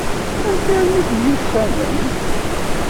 Amek armi ay temyussanem?